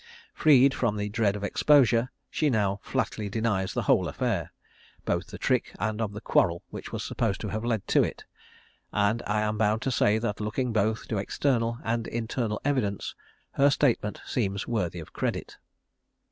Freed from the dread of exposure, she now flatly denies the whole affair, both of the trick and of the quarrel which was supposed to have led to it, and I am bound to say, that looking both to external and internal evidence, her statement seems worthy of credit.